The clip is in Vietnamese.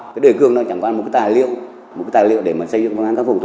cái đề cương đó chẳng có một cái tài liệu để mà xây dựng phương án khắc phục